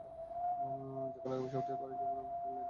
যখন আগামী সপ্তাহে বাড়ি যাব, ওকে কোলে নিব, প্রথমবারের মতো।